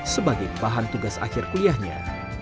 sebagai bahan tugas akhir kuliahnya